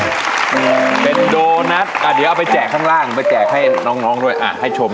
เป็นโดนัทอ่าเดี๋ยวเอาไปแจกข้างล่างไปแจกให้น้องด้วยอ่าให้ชมก่อน